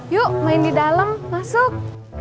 yuk main di dalam masuk